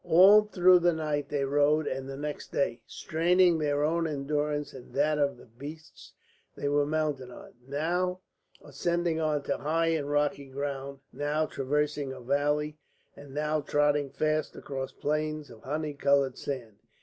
All through that night they rode and the next day, straining their own endurance and that of the beasts they were mounted on, now ascending on to high and rocky ground, now traversing a valley, and now trotting fast across plains of honey coloured sand.